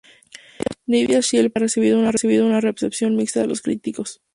Nvidia Shield Portable ha recibido una recepción mixta de los críticos.